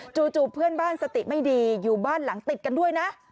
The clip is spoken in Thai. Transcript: จู่เพื่อนบ้านสติไม่ดีอยู่บ้านหลังติดกันด้วยนะ